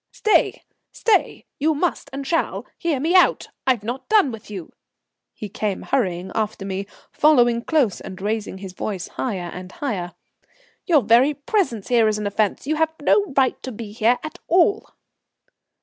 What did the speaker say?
"Stay, stay. You must and shall hear me out. I've not done with you." He came hurrying after me, following close and raising his voice higher and higher. "Your very presence here is an offence. You have no right to be here at all."